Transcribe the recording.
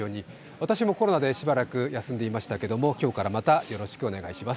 私もコロナでしばらく休んでいましたけど、今日からまたよろしくお願いします。